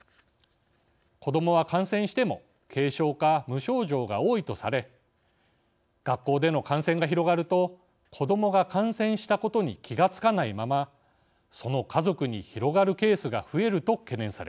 子どもは感染しても軽症か無症状が多いとされ学校での感染が広がると子どもが感染したことに気がつかないままその家族に広がるケースが増えると懸念されます。